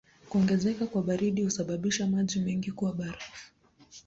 Kuongezeka kwa baridi husababisha maji mengi kuwa barafu.